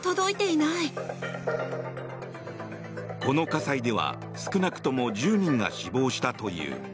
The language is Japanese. この火災では少なくとも１０人が死亡したという。